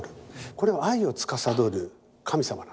これは愛をつかさどる神様なんですね。